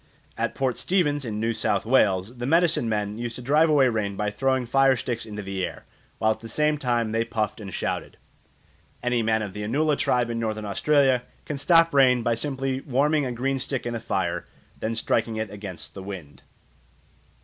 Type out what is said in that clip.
At Port Stevens in New South Wales the medicine men used to drive away rain by throwing fire sticks into the air, while at the same time they puffed and shouted. Any man of the Anula tribe in Northern Australia can stop rain by simply warming a green stick in the fire, and then striking it against the wind.